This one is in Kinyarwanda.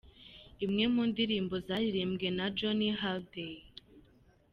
Imwe mu ndirimbo zaririmbwe na Johnny Hallday.